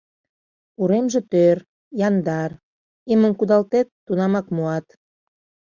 Уремже тӧр, яндар, имым кудалтет — тунамак муат.